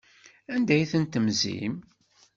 Anda ay tent-temzim?